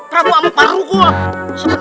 prabu amuk marukul